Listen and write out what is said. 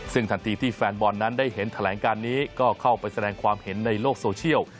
ซึ่งทันทีที่แฟนบอลนั้นได้เห็นแถลงการนี้ก็เข้าไปแสดงความเห็นในโลกโซเชียล